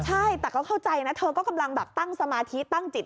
ใช่แต่ก็เข้าใจนะเธอก็กำลังแบบตั้งสมาธิตั้งจิต